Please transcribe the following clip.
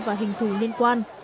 và thành thù liên quan